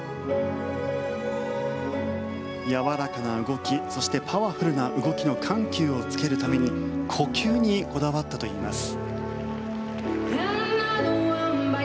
やわらかな動き、そしてパワフルな動きの緩急をつけるために呼吸にこだわったといいます。